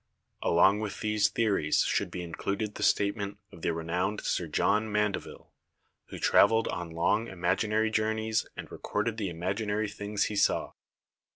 Along with these theories should be included the statement of the renowned Sir John Mandeville, who travelled on long imaginary journeys and recorded the imaginary things he saw.